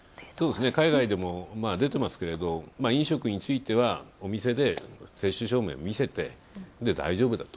海外でも出てますけれども飲食についてはお店で接種証明を見せて、大丈夫だと。